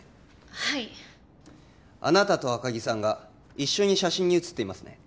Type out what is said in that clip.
はいあなたと赤木さんが一緒に写真に写っていますね